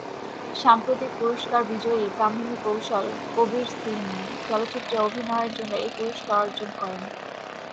সাম্প্রতিক পুরস্কার বিজয়ী কামিনী কৌশল "কবির সিং" চলচ্চিত্রে অভিনয়ের জন্য এই পুরস্কার অর্জন করেন।